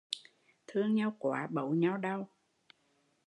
Thương nhau quá, bấu nhau đau